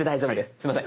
すいません。